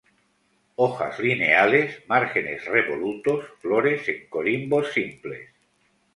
Hojas lineales; márgenes revolutos; flores en corimbos simples.